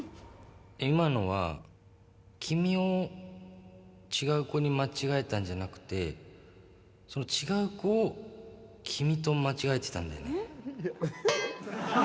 今のは君を違う子に間違えたんじゃなくてその違う子を君と間違えてたんだよね